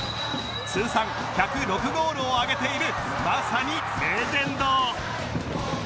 通算１０６ゴールを挙げているまさにレジェンド！